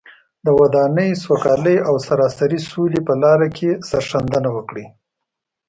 د ودانۍ، سوکالۍ او سراسري سولې په لاره کې سرښندنه وکړي.